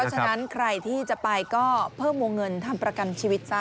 ฉะนั้นใครที่จะไปก็เพิ่มวงเงินทำประกันชีวิตซะ